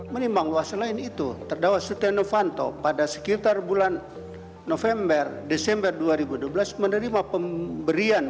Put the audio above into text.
menimbang bahwa selain itu terdakwa setia novanto pada sekitar bulan november desember dua ribu dua belas menerima pemberian